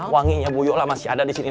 wanginya bu yola masih ada di sini